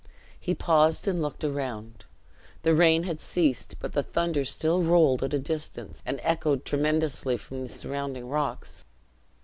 He paused and looked around. The rain had ceased, but the thunder still rolled at a distance and echoed tremendously from the surrounding rocks.